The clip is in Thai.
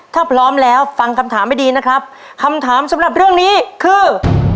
ถ้าพร้อมแล้วฟังคำถามให้ดีนะครับคำถามสำหรับเรื่องนี้คือ